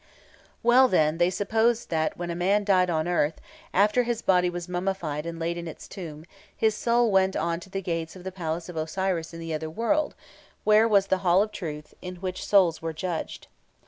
Well, then, they supposed that, when a man died on earth, after his body was mummified and laid in its tomb, his soul went on to the gates of the palace of Osiris in the other world, where was the Hall of Truth, in which souls were judged.